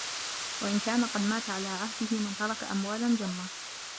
وَإِنْ كَانَ قَدْ مَاتَ عَلَى عَهْدِهِ مَنْ تَرَكَ أَمْوَالًا جَمَّةً